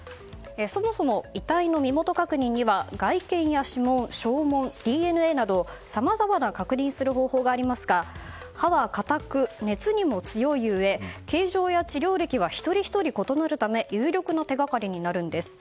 そもそも遺体の身元確認には外見や指紋、掌紋ＤＮＡなど、さまざまな確認する方法がありますが歯は硬く、熱にも強いうえ形状や治療歴が一人ひとり異なるため有力な手掛かりになるんです。